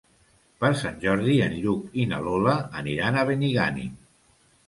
Per Sant Jordi en Lluc i na Lola aniran a Benigànim.